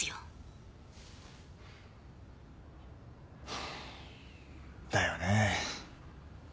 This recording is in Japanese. ハァだよねぇ。